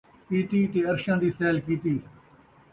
پیتی تے عرشاں the sale کیتی